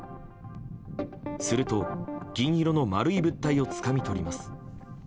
すると、銀色の丸い物体をつかみ取ります。